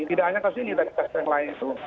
tidak hanya kasus ini dari kasus yang lain itu